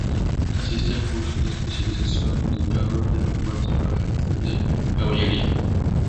Asiste al curso de especialización de Carros de Combate para Jefes de Caballería.